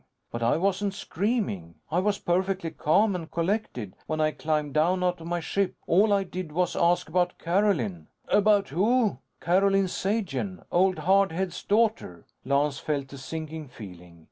"But I wasn't screaming! I was perfectly calm and collected, when I climbed down out of my ship. All I did was ask about Carolyn." "About who?" "Carolyn Sagen. Old Hard Head's daughter." Lance felt a sinking feeling.